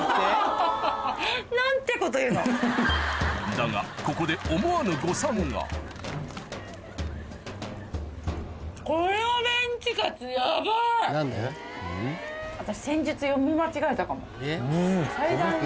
だがここで思わぬ誤算が私。